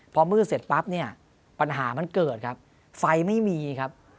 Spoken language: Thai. พอมืดเสร็จปั๊บเนี่ยปัญหามันเกิดครับไฟไม่มีครับ